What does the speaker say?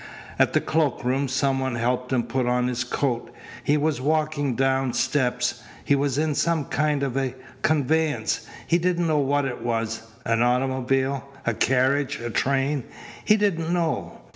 At the cloak room some one helped him put on his coat. He was walking down steps. He was in some kind of a conveyance. He didn't know what it was. An automobile, a carriage, a train? He didn't know.